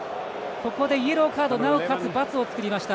ここでイエローカードなおかつ×を作りました。